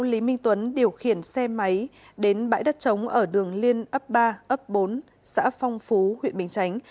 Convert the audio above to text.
lý minh tuấn điều khiển xe máy đến bãi đất trống ở đường liên ấp ba ấp bốn xã phong phú huyện bình chánh